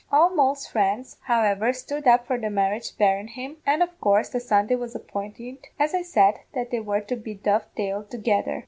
All Moll's friends, however, stood up for the marriage barrin' him, an' of coorse the Sunday was appointed, as I said, that they were to be dove tailed together.